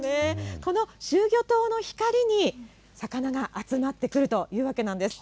この集魚灯の光に、魚が集まってくるというわけなんです。